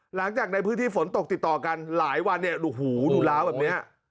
หลังจากในพื้นที่ฝนตกติดต่อกันหลายวันเนี่ยโอ้โหดูล้าวแบบนี้